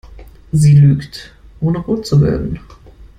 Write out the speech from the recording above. Sie lügt, ohne rot zu werden.